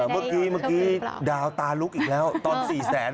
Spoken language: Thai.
เมื่อกี้ดาวตาลุกอีกแล้วตอน๔๐๐๐๐๐บาท